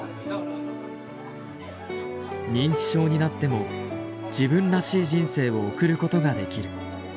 認知症になっても自分らしい人生を送ることができる。